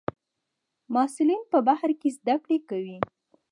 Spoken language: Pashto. محصلین په بهر کې زده کړې کوي.